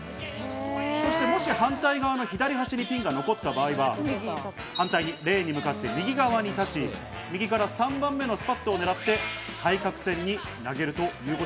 そしてもし反対側の左端にピンが残った場合は、レーンに向かって右側に立ち、右から３番目のスパットをねらって対角線に投げるという。